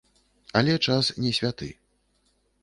Але час не святы.